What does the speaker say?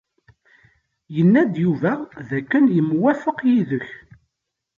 Yenna-d Yuba dakken yemwafaq yid-k.